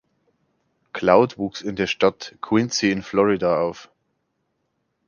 Cloud wuchs in der Stadt Quincy in Florida auf.